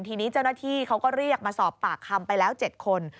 ทีนี้เจ้าหน้าที่เขาก็เรียกมาสอบปากคำไปแล้ว๗คน